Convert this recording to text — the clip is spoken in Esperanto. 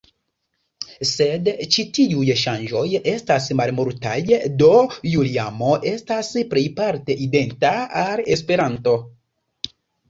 Sed ĉi tiuj ŝanĝoj estas malmultaj, do Juliamo estas plejparte identa al Esperanto.